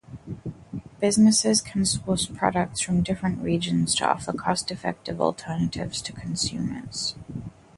Businesses can source products from different regions to offer cost-effective alternatives to consumers.